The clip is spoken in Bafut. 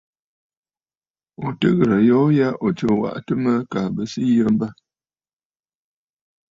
Ò tɨ ghɨ̀rə̀ ayoo ya ò tsee kɨ waʼatə mə kaa bɨ sɨ yə mbâ.